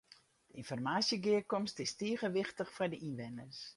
De ynformaasjegearkomste is tige wichtich foar de ynwenners.